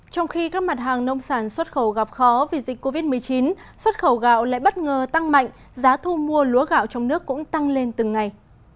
trong khi các mặt hàng nông sản xuất khẩu gặp khó vì dịch covid một mươi chín xuất khẩu gạo lại bất ngờ tăng mạnh giá thu mua lúa gạo trong nước cũng tăng lên từng ngày